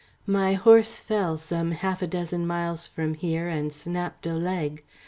"My horse fell some half a dozen miles from here and snapped a leg.